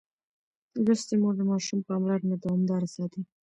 لوستې مور د ماشوم پاملرنه دوامداره ساتي.